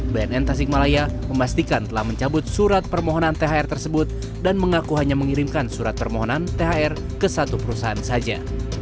bnn tasikmalaya memastikan telah mencabut surat permohonan thr tersebut dan mengaku hanya mengirimkan surat permohonan thr ke satu perusahaan saja